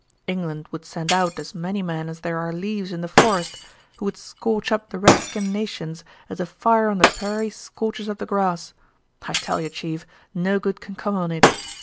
England would send out as many men as there are leaves in the forest, who would scorch up the redskin nations as a fire on the prairie scorches up the grass. I tell yer, chief, no good can come on it.